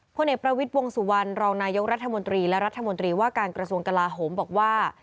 พลเอกประวิทย์วงสุวรรณรองนายกรัฐมนตรีและรัฐมนตรีว่าการกระทรวงกลาโหมบอกว่า